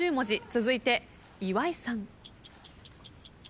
続いて岩井さん。